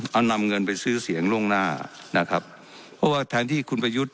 เอานำเงินไปซื้อเสียงล่วงหน้านะครับเพราะว่าแทนที่คุณประยุทธ์